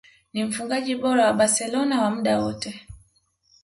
Ni mfungaji bora wa Barcelona wa muda wote